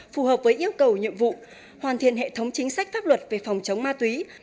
phù hợp với yêu cầu nhiệm vụ hoàn thiện hệ thống chính sách pháp luật về phòng chống ma túy